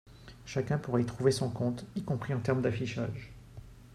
Chacun pourra y trouver son compte, y compris en termes d’affichage.